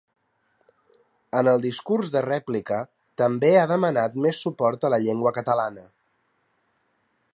En el discurs de rèplica també ha demanat més suport a la llengua catalana.